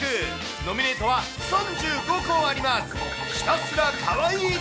ノミネートは３５個あります。